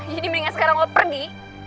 jadi mendingan sekarang lo pergi